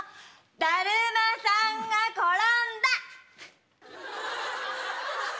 だるまさんが転んだ！